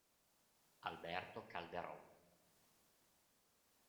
Alberto Calderón